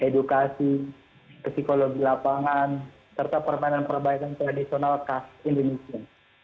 edukasi psikologi lapangan serta permainan permainan tradisional khas indonesia